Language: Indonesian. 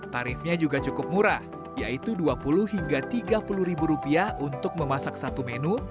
tarifnya juga cukup murah yaitu dua puluh hingga tiga puluh ribu rupiah untuk memasak satu menu